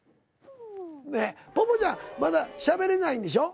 ねえぽぽちゃんまだしゃべれないんでしょ？